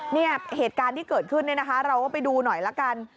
เนี่ยเหตุการณ์ที่เกิดขึ้นเราก็ดูหน่อยกัน